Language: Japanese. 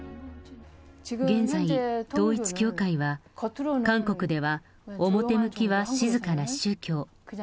現在、統一教会は、韓国では表向きは静かな宗教。